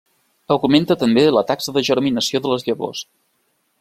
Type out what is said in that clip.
Augmenta també la taxa de germinació de les llavors.